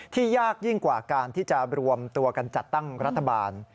ยากยิ่งกว่าการที่จะรวมตัวกันจัดตั้งรัฐบาล